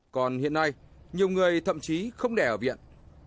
còn hiện nay nhiều người thậm chí không để ở viện